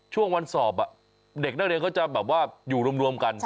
ช่วงวันสอบเด็กนักเรียนเขาจะแบบว่าอยู่รวมกัน